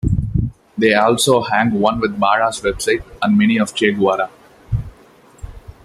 They also hang one with the barra's website and many of Che Guevara.